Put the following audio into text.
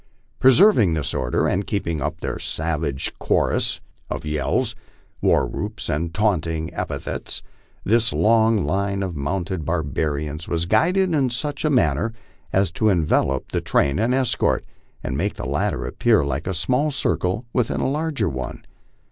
Preserving this order, and keeping up their savage chorus of yells, war whoops, and taunting epithets, this long line of mounted barbarians was guided in such manner as to envelop the train and escort, and make the latter appear like a small circle within a larger one.